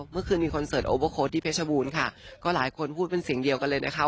เมื่อคืนมีคอนเสิร์ตโอเวอร์โค้ดที่เพชรบูรณ์ค่ะก็หลายคนพูดเป็นเสียงเดียวกันเลยนะคะ